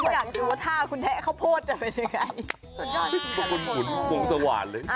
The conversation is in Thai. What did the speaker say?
อยากที่ว่าท่าคุณแทะข้าวโพดจะเป็นยังไง